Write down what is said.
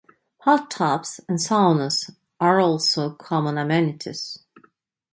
Hot tubs and saunas are also common amenities.